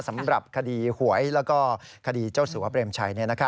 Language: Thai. สำหรับคดีหวยแล้วก็คดีเจ้าสัวเปรมชัย